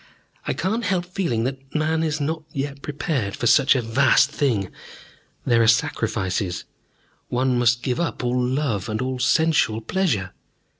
I cannot help feeling that man is not yet prepared for such a vast thing. There are sacrifices. One must give up love and all sensual pleasure.